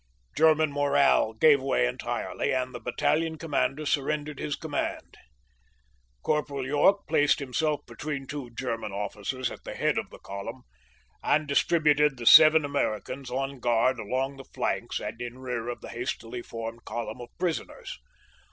German morale gave way entirely and the battalion commander surrendered his command. Corporal York placed himself between two German officers at the head of the column and distributed the seven Amer icans on guard along the flanks and in rear of the hastily formed column of prisoners.